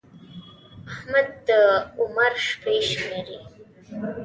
احمد د عمر شپې شمېري.